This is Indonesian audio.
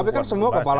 tapi kan semua kembali